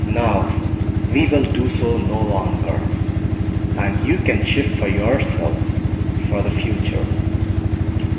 Now, we will do so no longer, and you can shift for yourself for the future."